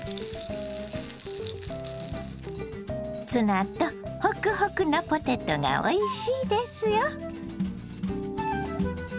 ツナとホクホクのポテトがおいしいですよ。